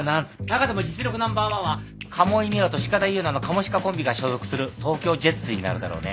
中でも実力ナンバーワンは鴨井ミワと鹿田優奈のカモシカコンビが所属する東京ジェッツになるだろうね。